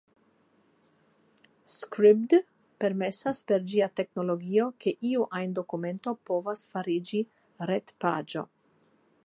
Sribd permesas per ĝia teknologio ke iu ajn dokumento povas fariĝi retpaĝo.